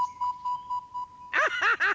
アッハハ！